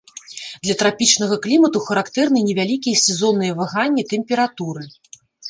Для трапічнага клімату характэрны невялікія сезонныя ваганні тэмпературы.